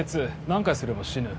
何回すれば死ぬ？